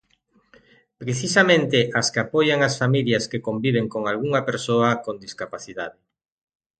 Precisamente as que apoian as familias que conviven con algunha persoa con discapacidade.